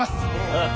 ああ。